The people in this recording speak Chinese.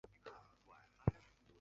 拉东人口变化图示